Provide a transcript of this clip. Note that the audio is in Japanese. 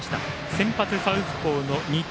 先発はサウスポーの仁田。